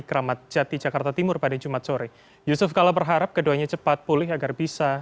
keramat jati jakarta timur pada jumat sore yusuf kala berharap keduanya cepat pulih agar bisa